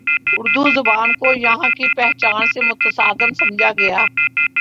اردو زبان کو یہاں کی پہچان سے متصادم سمجھا گیا